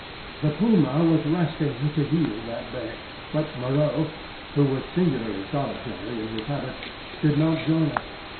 The puma was resting to heal that day; but Moreau, who was singularly solitary in his habits, did not join us.